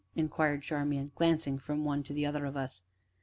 inquired Charmian, glancing from one to the other of us.